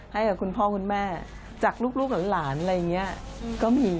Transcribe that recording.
ให้กับคุณพ่อคุณแม่จากลูกกับลูกหลานอะไรอย่างนี้